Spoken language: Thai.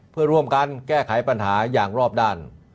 เพื่อร่วมกันแก้ไขปัญหาอย่างรอบด้าน